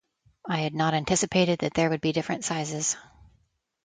I had not anticipated that there would be different sizes.